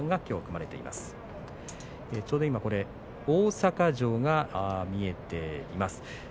大阪城が見えています。